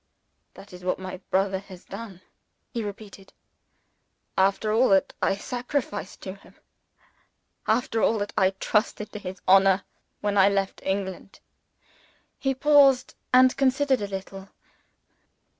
"That is what my brother has done," he repeated. "After all that I sacrificed to him after all that I trusted to his honor when I left England." He paused, and considered a little.